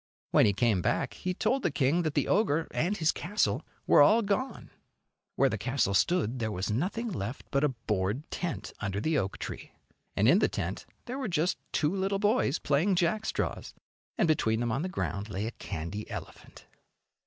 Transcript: When he came back he told the king that the ogre and his castle were all gone. Where the castle stood there was nothing left but a board tent under the oak tree, and in the tent there were just two little boys playing jackstraws, and between them on the ground lay a candy elephant.